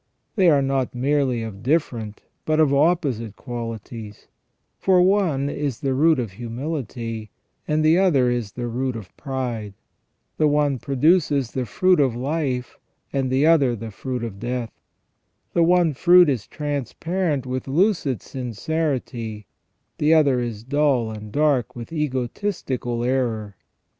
They are not merely of different but of opposite qualities, for one is the root of humility and the other is the root of pride. The one produces the fruit of life and the other the fruit of death. The one fruit is transparent with lucid sincerity, the other is dull and dark with egotistical error.